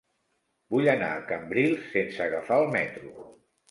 Vull anar a Cambrils sense agafar el metro.